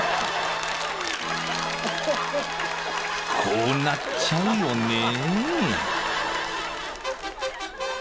［こうなっちゃうよね］